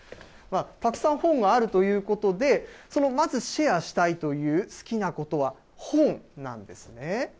たくさん本があるということで、その、まずシェアしたいという好きなことは本なんですね。